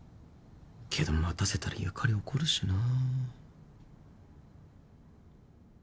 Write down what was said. けど待たせたらゆかり怒るしな。